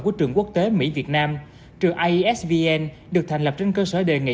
của trường quốc tế mỹ việt nam trừ aisvn được thành lập trên cơ sở đề nghị